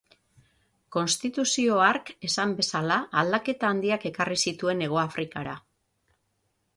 Konstituzio hark, esan bezala, aldaketa handiak ekarri zituen Hegoafrikara.